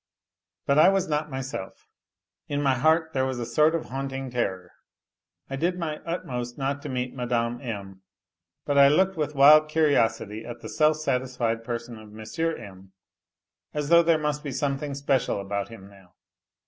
... 7} But I was not myself ; in my heart there was a sort of haunting terror. I did my utmost not to meet Mme. M. But I looked with wild curiosity at the self satisfied person of M. M., as though there must be something special about him now.